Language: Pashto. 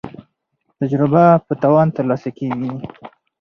تجربه په تاوان ترلاسه کیږي.